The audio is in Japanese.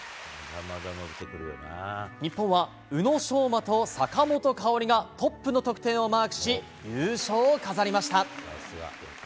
日本は宇野昌磨と坂本花織がトップの得点をマークし、優勝を飾りました。